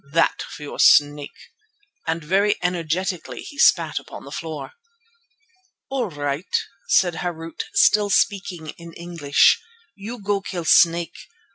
That for your snake," and very energetically he spat upon the floor. "All right," said Harût, still speaking in English, "you go kill snake.